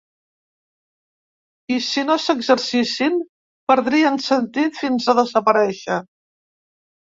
I si no s’exercissin perdrien sentit fins a desaparèixer.